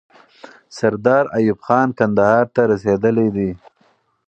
سردار ایوب خان کندهار ته رسیدلی دی.